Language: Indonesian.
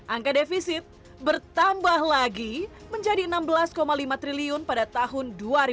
angka defisit bertambah lagi menjadi rp enam belas lima triliun pada tahun dua ribu dua puluh